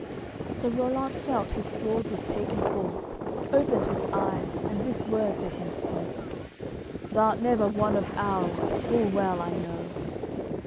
CLXX So Rollant felt his sword was taken forth, Opened his eyes, and this word to him spoke "Thou'rt never one of ours, full well I know."